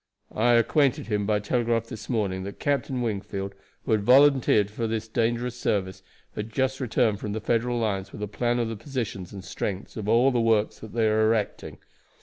I acquainted him by telegraph this morning that Captain Wingfield, who had volunteered for the dangerous service, had just returned from the Federal lines with a plan of the positions and strength of all the works that they are erecting.